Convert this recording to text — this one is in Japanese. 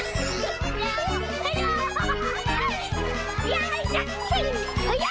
よいしょ！